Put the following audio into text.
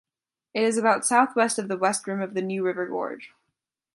It is about southwest of the west rim of the New River Gorge.